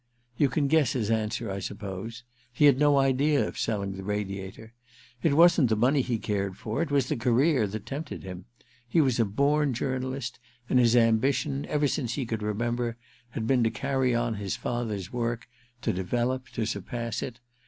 You can guess his answer, I suppose. He had no idea of selling the Radiator. It wasn't the money he cared for — it was the career that tempted him. He was a born journalist, and his ambition, ever since he could remember, had been to carry on his father's work, to develop, to surpass it.